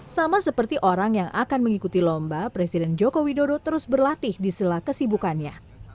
sama seperti orang yang akan mengikuti lomba presiden joko widodo terus berlatih di sela kesibukannya